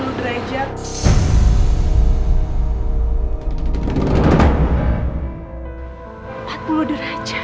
ini adalah waktu untuk masakan